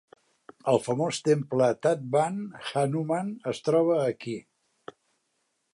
El famós temple Tadbund Hanuman es troba aquí.